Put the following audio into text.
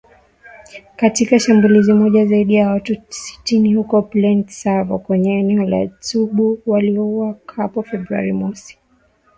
Katika shambulizi moja, zaidi ya watu sitini huko Plaine Savo kwenye eneo la Djubu waliuawa hapo Februari mosi